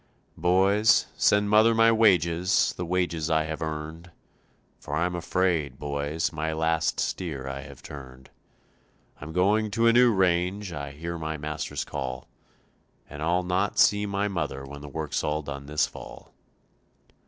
"Boys, send mother my wages, the wages I have earned, For I'm afraid, boys, my last steer I have turned. I'm going to a new range, I hear my Master's call, And I'll not see my mother when the work's all done this fall.